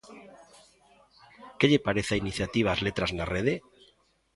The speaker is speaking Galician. Que lle parece a iniciativa As Letras na rede?